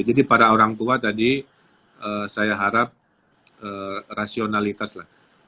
para orang tua tadi saya harap rasionalitas lah